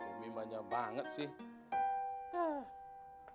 umi banyak banget sih